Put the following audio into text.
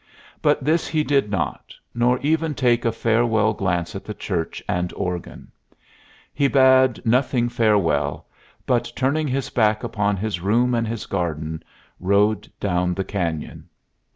But this he did not, nor even take a farewell glance at the church and organ. He bade nothing farewell, but, turning his back upon his room and his garden, rode down the canyon.